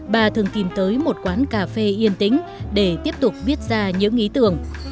bà thường tìm tới một quán cà phê yên tĩnh để tiếp tục viết ra những ý tưởng